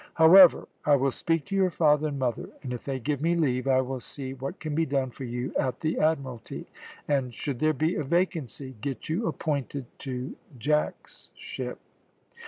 "However, I will speak to your father and mother, and if they give me leave I will see what can be done for you at the Admiralty, and should there be a vacancy get you appointed to Jack's ship."